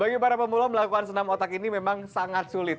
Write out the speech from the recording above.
bagi para pemula melakukan senam otak ini memang sangat sulit